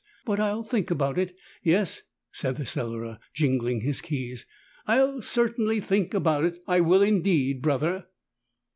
But I'll think about it. Yes," said the Cellarer jingling his keys, "I'll certainly think about it, I will indeed. Brother."